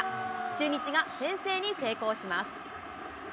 中日が先制に成功します。